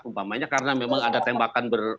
umpamanya karena memang ada tembakan